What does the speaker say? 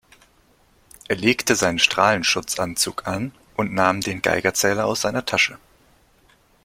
Er legte seinen Strahlenschutzanzug an und nahm den Geigerzähler aus seiner Tasche.